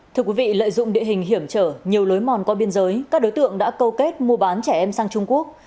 thưa quý vị lợi dụng địa hình hiểm trở nhiều lối mòn qua biên giới các đối tượng đã câu kết mua bán trẻ em sang trung quốc